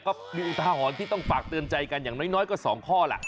ก็มีอุทาหรณ์ที่ต้องฝากเตือนใจกันอย่างน้อยก็๒ข้อแหละ